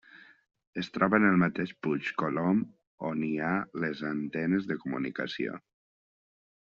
Es troba en el mateix Puig Colom, on hi ha les antenes de comunicació.